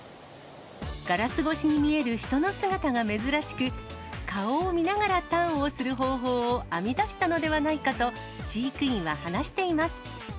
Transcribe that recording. ガラス越しに見える人の姿が珍しく、顔を見ながらターンをする方法を編み出したのではないかと、飼育員は話しています。